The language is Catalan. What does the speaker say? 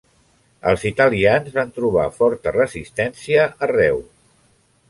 Els italians van trobar forta resistència arreu.